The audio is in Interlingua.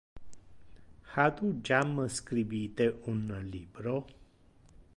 Ha tu jam scribite un libro?